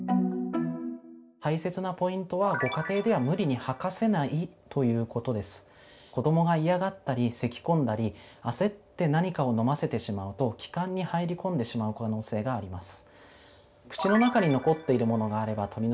大切なポイントはご家庭では子どもが嫌がったりせきこんだり焦って何かを飲ませてしまうと気管に入り込んでしまう可能性があります。